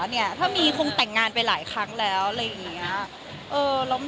ได้ยังไปแกรงงานจะไปหลายครั้ง